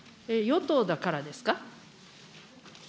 与党だからですか。